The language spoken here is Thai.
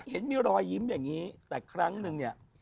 เห็นมีรอยยิ้มอย่างนี้แต่ครั้งนึงเนี่ย